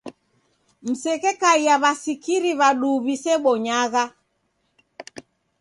Msekekaia w'asikiri w'aduu w'isebonyagha.